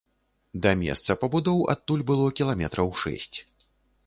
Да месца пабудоў адтуль было кіламетраў шэсць.